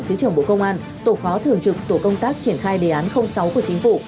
thứ trưởng bộ công an tổ phó thường trực tổ công tác triển khai đề án sáu của chính phủ